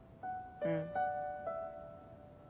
うん。